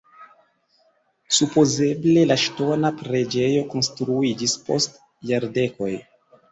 Supozeble la ŝtona preĝejo konstruiĝis post jardekoj.